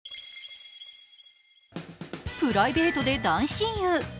プライベートで大親友。